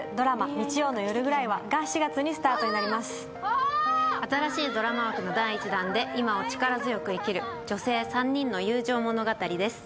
日曜の夜ぐら４月にスタートになります新しいドラマ枠の第１弾で今を力強く生きる女性３人の友情物語です